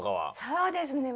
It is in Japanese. そうですね